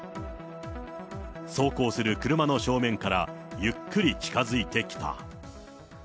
走行する車の正面から、ゆっくり近づいてきた。